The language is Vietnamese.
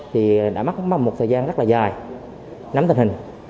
thì đã mắc mầm một thời gian rất là dài nắm tình hình